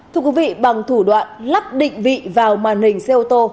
thưa quý vị bằng thủ đoạn lắp định vị vào màn hình xe ô tô